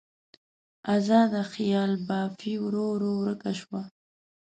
ازاده خیال بافي ورو ورو ورکه شوه.